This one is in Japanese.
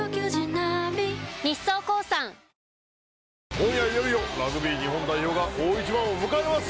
今夜、いよいよラグビー日本代表が大一番を迎えます。